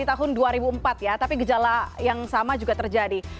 tahun dua ribu empat ya tapi gejala yang sama juga terjadi